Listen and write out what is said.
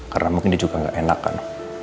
karena mungkin dia juga gak enak kan